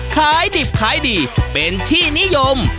ขายดิบขายดีเป็นที่นิยม